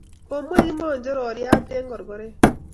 Ko mwei Kimonjororiat eng korokoret